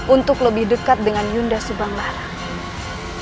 untuk lebih dekat dengan yunda subanglarang